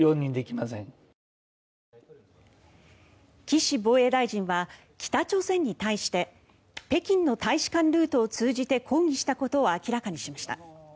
岸防衛大臣は北朝鮮に対して北京の大使館ルートを通じて抗議したことを明らかにしました。